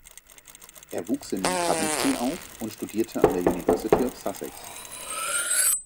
Er wuchs in Coventry auf und studierte an der University of Sussex.